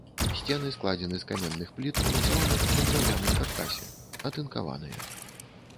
Сцены складзены з каменных пліт, умацаваных на драўляным каркасе, атынкаваныя.